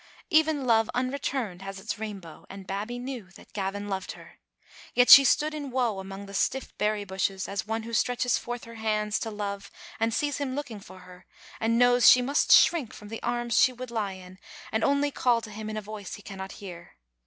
Even love unretumed has its rainbow, and Babbie knew that Gavin loved her. Yet she stood in woe among the stifiE berry bushes, as one who stretches forth her hands to Love and sees him looking for her, and knows she must shrink from the arms she would lie in, and only call to him in a voice he cannot hear.